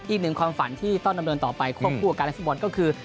อีกหนึ่งความฝันที่ต้องดำเนินต่อไปควบคู่กับการเล่นฟุตบอลก็คือ